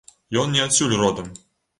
Ён не адсюль родам.